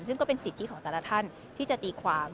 ซึ่งก็เป็นสิทธิของแต่ละท่านที่จะตีความ